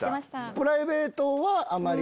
プライベートはあまり？